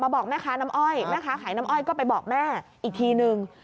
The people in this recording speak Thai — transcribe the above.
บอกแม่ค้าน้ำอ้อยแม่ค้าขายน้ำอ้อยก็ไปบอกแม่อีกทีนึง